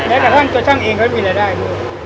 แม้แต่ท่านตัวช่างเองเขามีรายได้ขึ้น